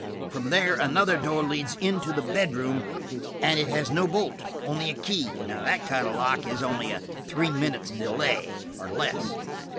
From there another door leads into the bedroom, and it has no bolt–only a key. That kind of a lock is only a three minutes delay, or less.